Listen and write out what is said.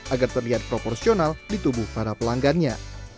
agar terlihat proporsional di tubuh para pelanggannya